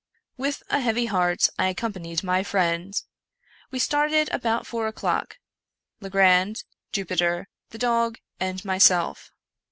With a heavy heart I accompanied my friend. We started about four o'clock — Legrand, Jupiter, the dog, and myself.